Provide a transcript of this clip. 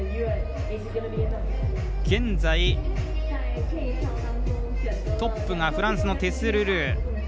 現在、トップがフランスのテス・ルドゥー。